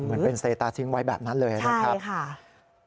เหมือนเป็นเซตาทิ้งไว้แบบนั้นเลยนะครับ